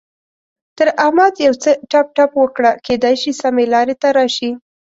تر احمد يو څه ټپ ټپ وکړه؛ کېدای شي سمې لارې ته راشي.